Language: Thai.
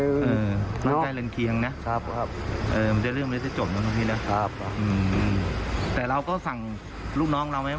น้ำใกล้เรือนเคียงนะมันจะเริ่มแล้วจะจบอยู่ตรงนี้นะแต่เราก็สั่งลูกน้องเราไหม